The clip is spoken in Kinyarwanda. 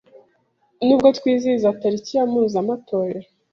Nubwo twizihiza tariki ya mpuzamatorero